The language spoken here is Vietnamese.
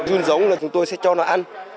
dun giống là chúng tôi sẽ cho nó ăn